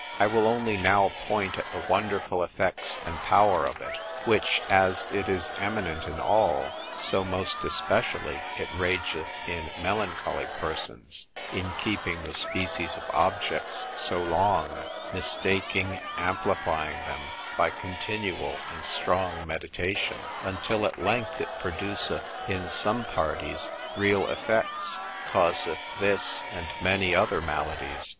I will only now point at the wonderful effects and power of it; which, as it is eminent in all, so most especially it rageth in melancholy persons, in keeping the species of objects so long, mistaking, amplifying them by continual and strong meditation, until at length it produceth in some parties real effects, causeth this, and many other maladies.